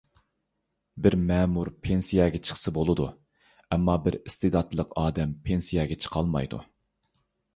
بىر مەمۇر پېنسىيەگە چىقسا بولىدۇ، ئەمما بىر ئىستېداتلىق ئادەم پېنسىيەگە چىقالمايدۇ.